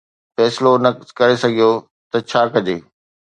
فيصلو نه ڪري سگهيو ته ڇا ڪجي.